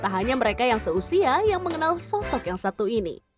tak hanya mereka yang seusia yang mengenal sosok yang satu ini